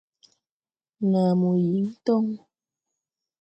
Naa mo yíŋ tɔŋ.